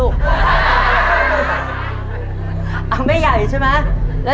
ขอบคุณค่ะ